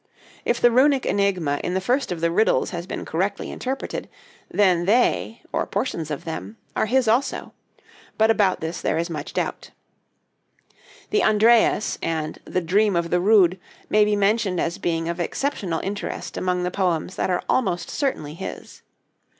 If the runic enigma in the first of the 'Riddles' has been correctly interpreted, then they, or portions of them, are his also. But about this there is much doubt. The 'Andreas' and the 'Dream of the Rood' may be mentioned as being of exceptional interest among the poems that are almost certainly his.